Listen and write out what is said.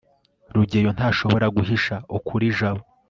rugeyo ntashobora guhisha ukuri jabo